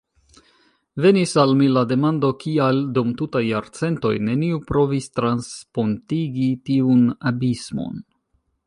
Venis al mi la demando, kial, dum tutaj jarcentoj, neniu provis transpontigi tiun abismon?